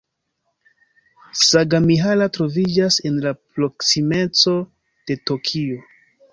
Sagamihara troviĝas en la proksimeco de Tokio.